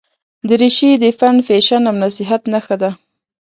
دریشي د فن، فیشن او شخصیت نښه ده.